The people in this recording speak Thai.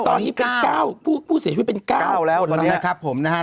ตอนนี้พูดเสพรีดเป็น๙วันนี้๙แล้ว